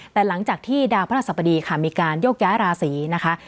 แต่หลังจากที่ดาวพระราชสัปดีค่ะมีการโยกย้ายราศีนะคะ